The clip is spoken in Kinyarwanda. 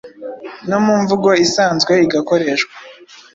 no mu mvugo isanzwe igakoreshwa,